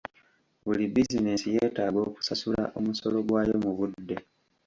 Buli bizinensi yeetaaga okusasula omusolo gwayo mu budde.